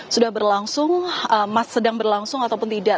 sudah berlangsung sedang berlangsung ataupun tidak